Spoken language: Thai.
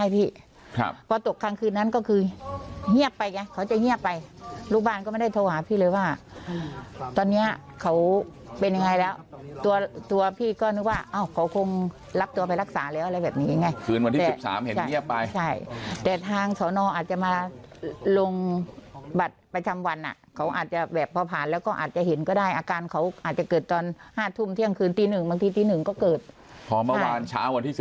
พอตกกลางคืนนั้นก็คือเงียบไปไงเขาจะเงียบไปลูกบ้านก็ไม่ได้โทรหาพี่เลยว่าตอนเนี้ยเขาเป็นยังไงแล้วตัวตัวพี่ก็นึกว่าอ้าวเขาคงรับตัวไปรักษาแล้วอะไรแบบนี้ไงคืนวันที่สิบสามเห็นเงียบไปใช่แต่ทางสอนออาจจะมาลงบัตรประชำวันอ่ะเขาอาจจะแบบพอผ่านแล้วก็อาจจะเห็นก็ได้อาการเขาอาจจะเกิดตอนห